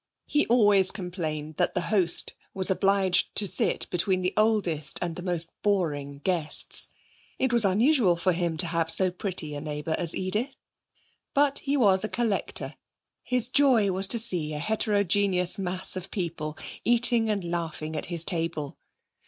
He always complained that the host was obliged to sit between the oldest and the most boring guests. It was unusual for him to have so pretty a neighbour as Edith. But he was a collector: his joy was to see a heterogeneous mass of people, eating and laughing at his table.